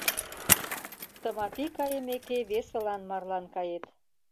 Тымапи кайымеке, весылан марлан кает.